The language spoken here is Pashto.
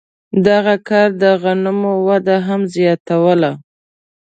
دغه کار د غنمو وده هم زیاتوله.